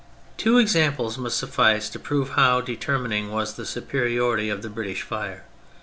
Two examples must suffice to prove how determining was the superiority of the British fire.